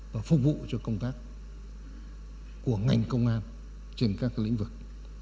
và phục vụ cho công tác của ngành công an trên các lĩnh vực